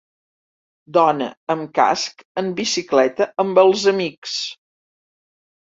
Dona amb casc en bicicleta amb els amics